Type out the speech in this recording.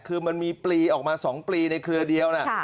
คือมันมีปลีออกมา๒ปลีในเครือเดียวนะ